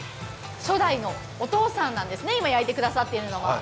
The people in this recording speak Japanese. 初代のお父さんなんですね、今、焼いてくださっているのは。